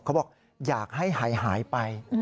เขาบอกอยากให้หายไป